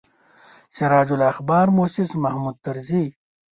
سراج الاخبار موسس محمود طرزي.